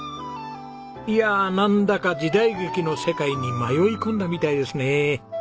いやなんだか時代劇の世界に迷い込んだみたいですね。